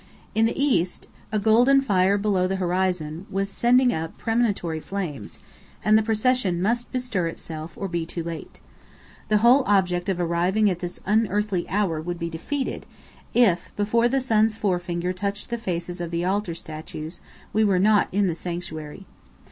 In the east, a golden fire below the horizon was sending up premonitory flames, and the procession must bestir itself, or be too late. The whole object of arriving at this unearthly hour would be defeated, if, before the sun's forefinger touched the faces of the altar statues, we were not in the sanctuary.